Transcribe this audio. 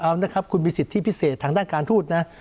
เอานะครับคุณมีสิทธิพิเศษทางด้านการทูตนะ